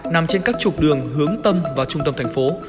nằm trên các trục đường hướng tâm vào trung tâm thành phố